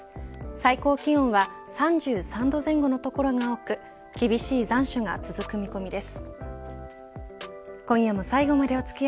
最高気温は３３度前後の所が多く厳しい残暑が続く見込みです。